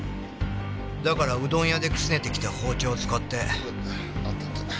だからうどん屋でくすねてきた包丁を使って。